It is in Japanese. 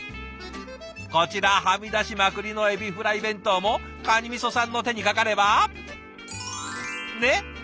こちらはみ出しまくりのエビフライ弁当もかにみそさんの手にかかればねっ？